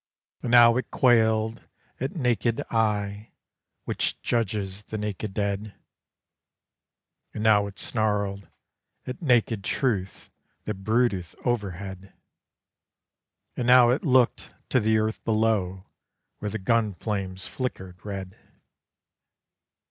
And now It quailed at Nakéd Eye which judges the naked dead; And now It snarled at Nakéd Truth that broodeth overhead; And now It looked to the earth below where the gun flames flickered red.